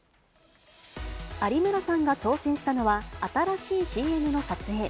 有村さんが挑戦したのは、新しいＣＭの撮影。